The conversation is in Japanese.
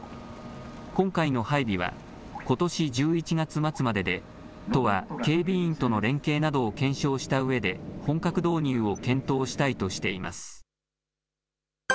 今回の配備は、ことし１１月末までで都は、警備員との連携などを検証したうえで、本格導入を検討